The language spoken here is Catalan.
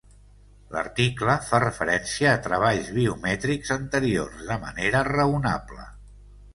L'article fa referència a treballs biomètrics anteriors de manera raonable.